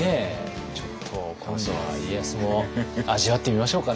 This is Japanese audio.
ちょっと今度は家康も味わってみましょうかね。